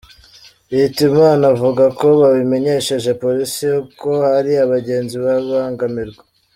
Hitimana avuga ko babimenyesheje Polisi ko hari abagenzi babangamirwa .